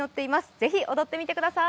ぜひ踊ってみてください。